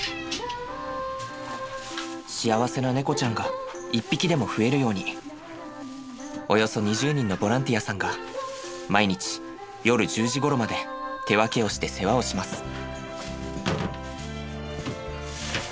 幸せな猫ちゃんが一匹でも増えるようにおよそ２０人のボランティアさんが毎日夜１０時ごろまで手分けをして世話をします。